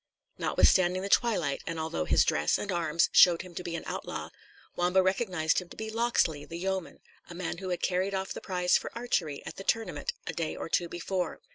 Notwithstanding the twilight, and although his dress and arms showed him to be an outlaw, Wamba recognised him to be Locksley, the yeoman, a man who had carried off the prize for archery at the tournament a day or two before.